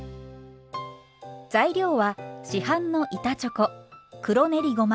材料は市販の板チョコ黒練りごま